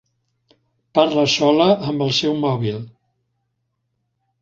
Parla sola amb el seu mòbil.